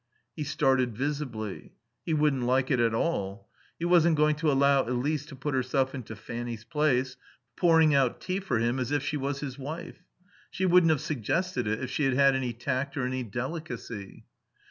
He started visibly. He wouldn't like it at all. He wasn't going to allow Elise to put herself into Fanny's place, pouring out tea for him as if she was his wife. She wouldn't have suggested it if she had had any tact or any delicacy.